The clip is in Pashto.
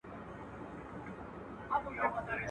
چي مرگ سوى وو داسي مړی ئې نه وو کړى.